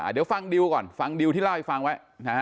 เดี๋ยวฟังดิวก่อนฟังดิวที่เล่าให้ฟังไว้